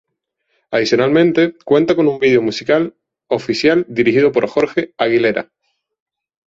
Adicionalmente, cuenta con un video musical oficial dirigido por Jorge Aguilera.